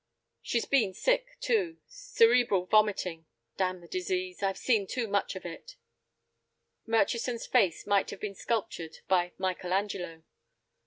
She's been sick, too: cerebral vomiting. Damn the disease, I've seen too much of it!" Murchison's face might have been sculptured by Michael Angelo.